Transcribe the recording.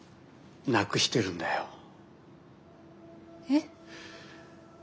えっ。